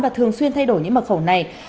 và thường xuyên thay đổi những mật khẩu này